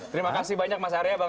terima kasih banyak mas arya